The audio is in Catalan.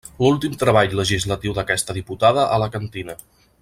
L'últim treball legislatiu d'aquesta diputada alacantina.